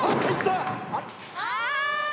ああ！